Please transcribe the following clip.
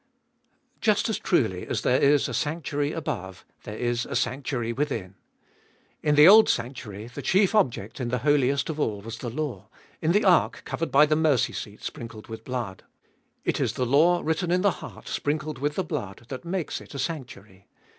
1. Just as truly us there Is a sanctuary above, there Is a sanctuary within. In the old sanctu ary the chief object in the Holiest of All was the law, in the ark covered by the mercy seat sprinkled with blood. It is the law written In the heart sprinkled with the blood that makes it a sanctuary.